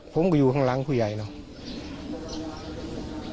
ผมก็อยู่ข้างหลังผู้ใหญ่เนอะ